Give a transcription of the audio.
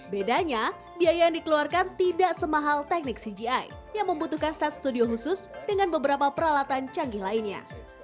bedanya biaya yang dikeluarkan tidak semahal teknik cgi yang membutuhkan set studio khusus dengan beberapa peralatan canggih lainnya